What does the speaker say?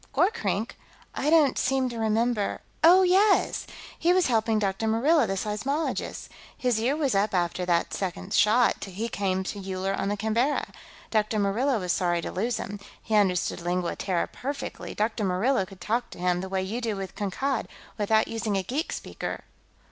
"Gorkrink? I don't seem to remember.... Oh, yes! He was helping Dr. Murillo, the seismologist. His year was up after the second shot; he came to Uller on the Canberra. Dr. Murillo was sorry to lose him. He understood Lingua Terra perfectly; Dr. Murillo could talk to him, the way you do with Kankad, without using a geek speaker."